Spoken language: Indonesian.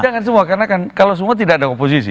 jangan semua karena kan kalau semua tidak ada oposisi